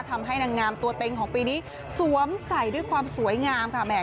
ทำให้นางงามตัวเต็งของปีนี้สวมใส่ด้วยความสวยงามค่ะ